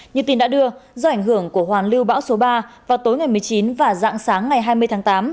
như tin đã đưa do ảnh hưởng của hoàn lưu bão số ba vào tối ngày một mươi chín và dạng sáng ngày hai mươi tháng tám